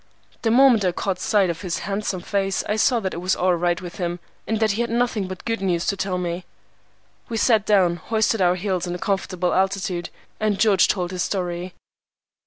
The moment I caught sight of his handsome face I saw that it was all right with him, and that he had nothing but good news to tell me. We sat down, hoisted our heels to a comfortable altitude, and George told his story.